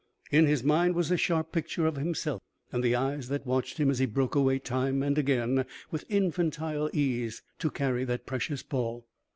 In his mind was a sharp picture of himself and the eyes that watched him as he broke away time and again, with infantile ease, to carry that precious ball.